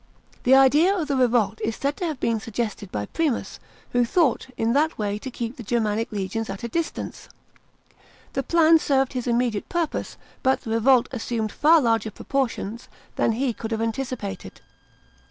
The idea of the revolt is said to have been suggested by Primus, who thought in that way to keep the Germanic legions at a distance. The plan served his immediate purpose, but the revolt assumed far larger proportions than he could have anticipated.